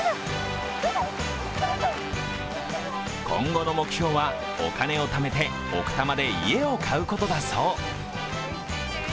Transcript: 今後の目標はお金をためて奥多摩で家を買うことだそう。